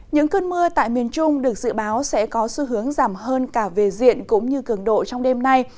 những cơn mưa tại miền trung được dự báo sẽ có xu hướng giảm hơn cả về diện cũng như cường độ trong đêm nay